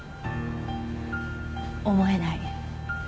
思えない。